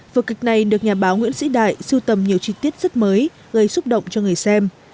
vở kịch này được nhà báo nguyễn sĩ đại sưu tầm nhiều chi tiết rất mới gây xúc động cho người xem